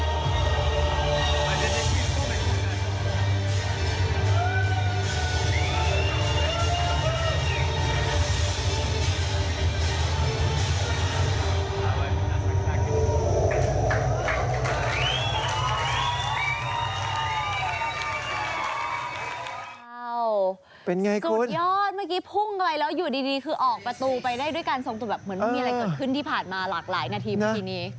เหมือนมีอะไรเกิดขึ้นที่ผ่านมาหลากหลายนาทีเมื่อกี้นี้